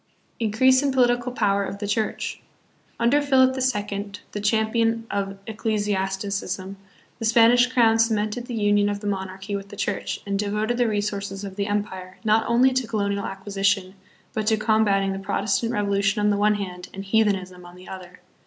Increase in Political Power of the Church. Under Philip the Second, the champion of ecclesiasticism, the Spanish crown cemented the union of the monarchy with the church and devoted the resources of the empire, not only to colonial acquisition, but to combating the Pro testant revolution on the one hand and heathenism on the other.